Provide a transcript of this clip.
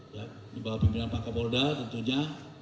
bapak pemuda pak kapolda tentunya